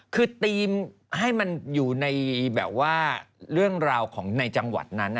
คือทีมให้มันอยู่ในแบบว่าเรื่องราวของในจังหวัดนั้น